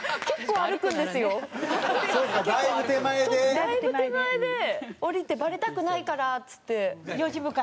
だいぶ手前で降りて「バレたくないから」っつって。